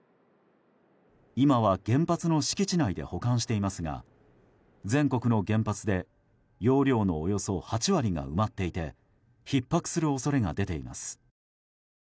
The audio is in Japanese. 今は、原発の敷地内で保管していますが全国の原発で容量のおよそ８割が埋まっていてひっ迫する恐れが出ています。